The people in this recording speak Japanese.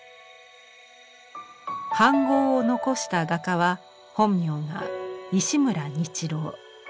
飯ごうを残した画家は本名は石村日郎。